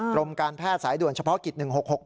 กรมการแพทย์สายด่วนเฉพาะกิจ๑๖๖